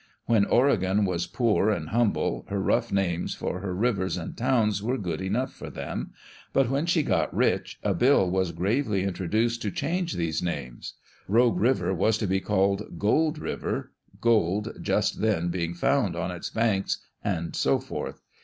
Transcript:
When Oregon was poor and humble, her rough names for her rivers and towns were good enough for them, but when she got rich a bill was gravely intro duced to change these names. " Rogue river" was to be called " Gold river," gold just then being found on its banks, and so forth.